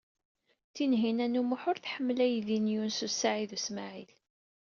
Tinhinan u Muḥ ur tḥemmel aydi n Yunes u Saɛid u Smaɛil.